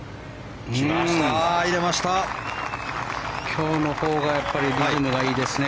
今日のほうがリズムがいいですね。